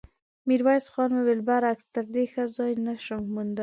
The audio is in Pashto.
ميرويس خان وويل: برعکس، تر دې ښه ځای نه شم موندلی.